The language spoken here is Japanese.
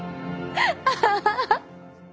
アハハハ。